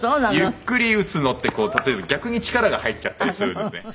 ゆっくり打つのって例えば逆に力が入っちゃったりするんですね。